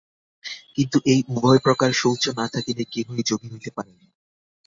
কিন্তু এই উভয় প্রকার শৌচ না থাকিলে কেহই যোগী হইতে পারেন না।